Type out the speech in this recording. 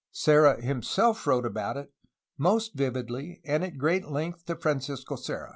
Serra himself wrote about it most vividly and at great length to Francisco Serra.